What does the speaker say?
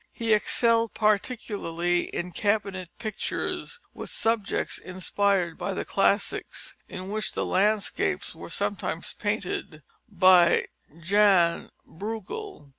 He excelled particularly in cabinet pictures, with subjects inspired by the classics, in which the landscapes were sometimes painted by Jan Brueghel.